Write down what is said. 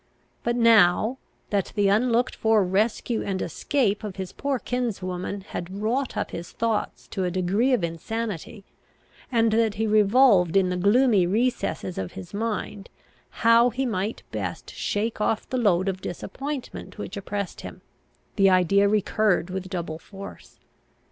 But now, that the unlooked for rescue and escape of his poor kinswoman had wrought up his thoughts to a degree of insanity, and that he revolved in the gloomy recesses of his mind, how he might best shake off the load of disappointment which oppressed him, the idea recurred with double force.